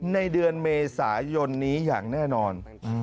ในเดือนเมษายนนี้อย่างแน่นอน